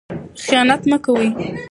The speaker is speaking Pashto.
خیانت مه کوئ.